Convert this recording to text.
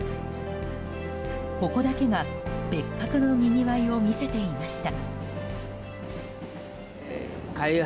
ここだけが別格のにぎわいを見せていました。